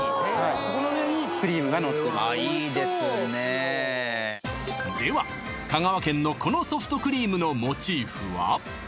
この上にクリームがのってるあっいいですねでは香川県のこのソフトクリームのモチーフは？